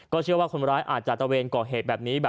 เชื่อว่าคนร้ายอาจจะตะเวนก่อเหตุแบบนี้